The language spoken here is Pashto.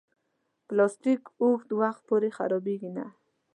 پلاستيک اوږد وخت پورې خرابېږي نه.